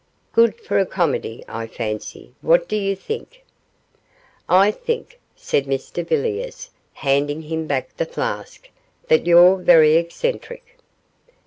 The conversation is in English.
Good for a comedy, I fancy; what do you think?' 'I think,' said Mr Villiers, handing him back the flask, 'that you're very eccentric.